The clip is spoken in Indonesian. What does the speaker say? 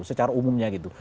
secara umumnya gitu